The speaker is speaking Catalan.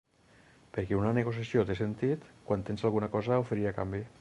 Perquè una negociació té sentit quan tens alguna cosa a oferir a canvi.